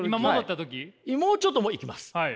もうちょっといきます。